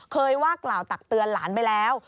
ว่ากล่าวตักเตือนหลานไปแล้ว